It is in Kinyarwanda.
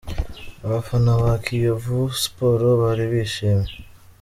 Abafana ba Kiyovu Sport bari bishimye .